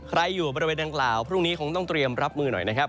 อยู่บริเวณดังกล่าวพรุ่งนี้คงต้องเตรียมรับมือหน่อยนะครับ